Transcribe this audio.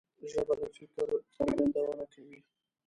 ژبه د فکر څرګندونه کوي